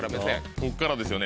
こっからですよね